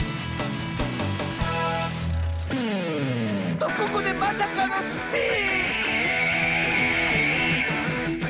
とここでまさかのスピン！